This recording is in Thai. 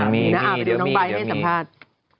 มีน้องไบร์ทให้สัมภาษณ์